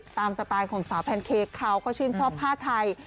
สไตล์ของสาวแพนเค้กเขาก็ชื่นชอบผ้าไทย